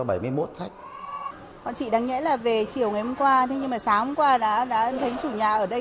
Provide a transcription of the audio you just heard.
bọn chị đáng nghĩ là về chiều ngày hôm qua thế nhưng mà sáng hôm qua đã thấy chủ nhà ở đây